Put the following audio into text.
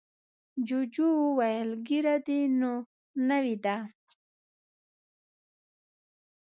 جوجو وویل ږیره دې نوې ده.